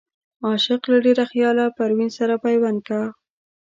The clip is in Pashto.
عاشق له ډېره خياله پروين سره پيوند کا